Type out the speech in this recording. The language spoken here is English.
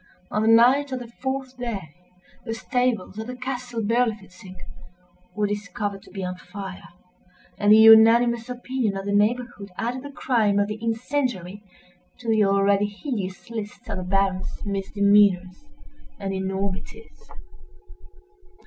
On the night of the fourth day, the stables of the castle Berlifitzing were discovered to be on fire; and the unanimous opinion of the neighborhood added the crime of the incendiary to the already hideous list of the Baron's misdemeanors and enormities.